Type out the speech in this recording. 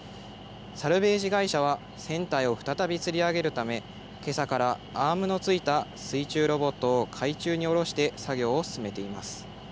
サルベージ会社は船体を再びつり上げるためけさからアームの付いた水中ロボットを海中に下ろして作業を進めています。